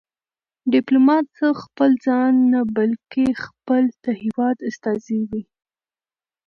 ډيپلومات خپل ځان نه، بلکې خپل د هېواد استازی وي.